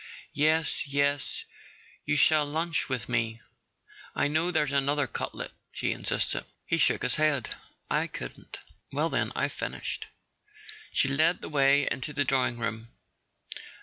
.. Yes, yes, you shall lunch with me—I know there's another cutlet," she insisted. He shook his head. "I couldn't." "Well, then, I've finished." She led the way into the drawing room.